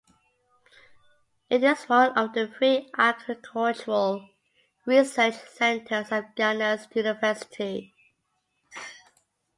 It is one of the three agricultural research centres of Ghana's university.